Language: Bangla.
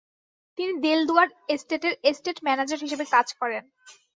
তিনি দেলদুয়ার এস্টেটের এস্টেট ম্যানেজার হিসেবে কাজ করেন।